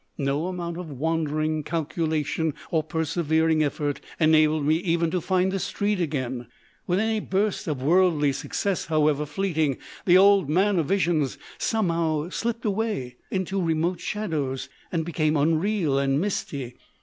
No amount of wandering, calculation, or persevering effort enabled me even to find the street again. With any burst of worldly success, however fleeting, the Old Man of Visions somehow slipped away into remote shadows and became unreal and misty.